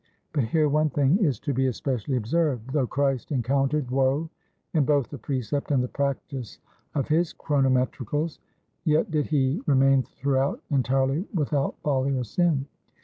But here one thing is to be especially observed. Though Christ encountered woe in both the precept and the practice of his chronometricals, yet did he remain throughout entirely without folly or sin.